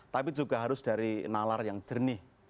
tapi juga harus dari nalar yang jernih